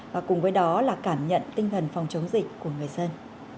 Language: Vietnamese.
và cùng với đó là cảm nhận tinh thần phòng chống dịch của người dân